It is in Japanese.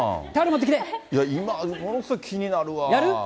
今、ものすごい気になるわ。